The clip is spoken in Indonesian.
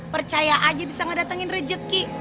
percaya aja bisa ngedatengin rejeki